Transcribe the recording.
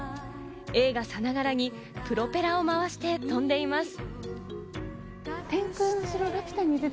映画さながらにプロペラを回して飛んでいます。